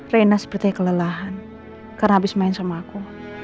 reina seperti kelelahan karena habis main sama aku